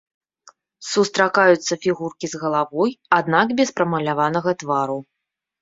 Сустракаюцца фігуркі з галавой, аднак без прамаляванага твару.